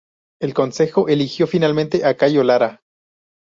El Consejo eligió finalmente a Cayo Lara.